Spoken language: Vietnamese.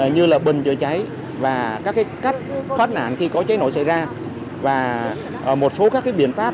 như là bình chữa cháy và các cách thoát nạn khi có cháy nổ xảy ra và một số các biện pháp